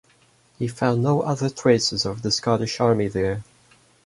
He found no other traces of the Scottish army there.